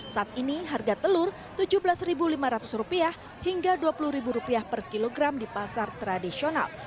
saat ini harga telur rp tujuh belas lima ratus hingga rp dua puluh per kilogram di pasar tradisional